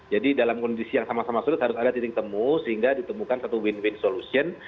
dalam kondisi yang sama sama sulit harus ada titik temu sehingga ditemukan satu win win solution